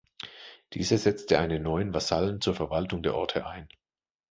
Dieser setzte einen neuen Vasallen zur Verwaltung der Orte ein.